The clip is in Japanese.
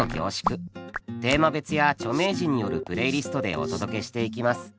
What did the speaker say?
テーマ別や著名人によるプレイリストでお届けしていきます。